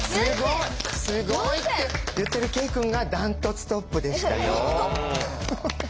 すごいって言ってるケイくんがダントツトップでしたよ。